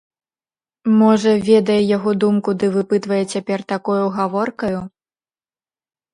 Можа, ведае яго думку ды выпытвае цяпер такою гаворкаю?